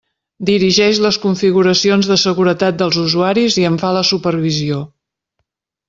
Dirigeix les configuracions de seguretat dels usuaris i en fa la supervisió.